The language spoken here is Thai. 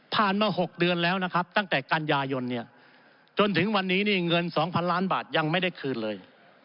มา๖เดือนแล้วนะครับตั้งแต่กันยายนเนี่ยจนถึงวันนี้นี่เงิน๒๐๐ล้านบาทยังไม่ได้คืนเลย